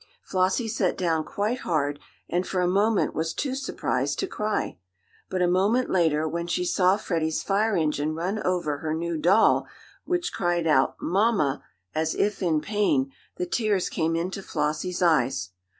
Flossie sat down quite hard, and for a moment was too surprised to cry. But a moment later, when she saw Freddie's fire engine run over her new doll, which cried out "Mamma!" as if in pain, the tears came into Flossie's eyes.